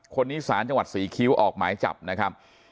คนนี้ศจศรีคิ้วออกหมายจับนะครับ